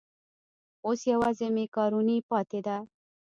اوس یوازې مېکاروني پاتې ده.